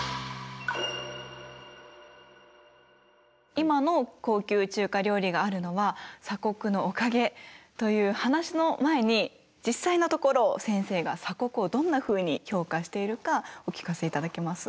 今の高級中華料理があるのは鎖国のおかげという話の前に実際のところ先生が鎖国をどんなふうに評価しているかお聞かせいただけます？